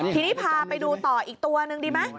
ทีนี้พาไปดูต่ออีกตัวหนึ่งดีไหม